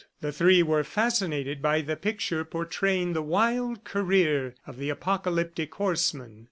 The three were fascinated by the picture portraying the wild career of the Apocalyptic horsemen.